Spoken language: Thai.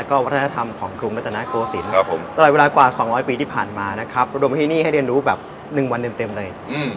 คุณโค้กฟื้นช่วยพาผมเดินเหยียบชมเลย